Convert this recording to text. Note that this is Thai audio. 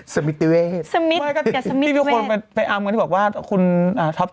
ซึ่งคงดูรวยมากในสายตาลูก